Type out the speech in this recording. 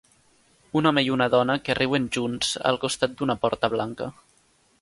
Un home i una dona que riuen junts al costat d'una porta blanca.